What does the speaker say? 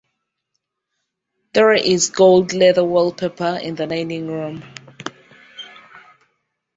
There is gold leather wallpaper in the dining room.